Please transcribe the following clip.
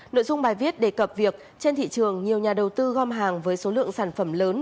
nội dung bài viết đề cập việc trên thị trường nhiều nhà đầu tư gom hàng với số lượng sản phẩm lớn